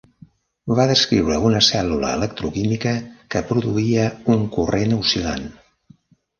Va descriure una cèl·lula electroquímica que produïa un corrent oscil·lant.